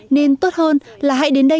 nên tốt hơn là hãy đến đây